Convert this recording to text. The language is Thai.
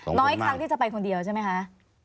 น้อยครั้งที่จะไปคนเดียวใช่ไหมคะ